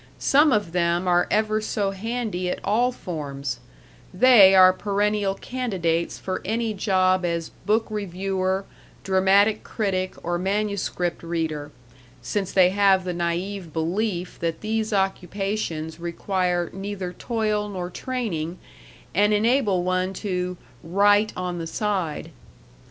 Some of them are ever so handy at all forms; they are perennial candidates for any job as book reviewer, dramatic critic, or manuscript reader, since they have the naïve belief that these occupations require neither toil nor training, and enable one to "write on the side."